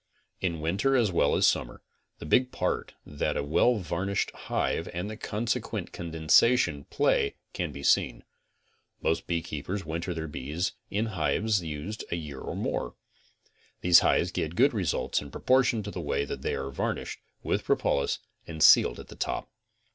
In winter as well as summer, the big part that a well var nished hive and the consequent condensation play can be seen. Most beekeepers winter their bees in hives used a year or more. These hives give results in proportion to the way they are var nished with propolis and sealed at the top.